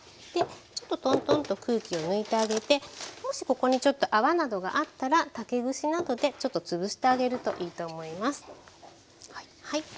ちょっとトントンと空気を抜いてあげてもしここにちょっと泡などがあったら竹串などでつぶしてあげるといいと思います。